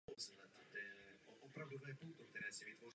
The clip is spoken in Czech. Míra nezaměstnanosti na území okruhu patří k nejvyšším v Srbsku.